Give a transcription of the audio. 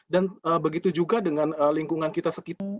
dan begitu juga dengan lingkungan kita sekitar